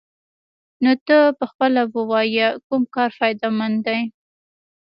نو ته پخپله ووايه كوم كار فايده مند دې؟